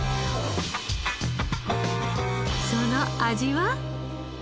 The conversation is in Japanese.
その味は？